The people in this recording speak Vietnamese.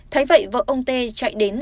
thấy vậy vợ ông tê chạy đến